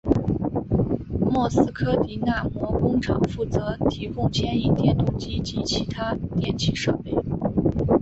莫斯科迪纳摩工厂负责提供牵引电动机及其他电气设备。